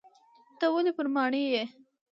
ته ولي پر ماڼي یې ؟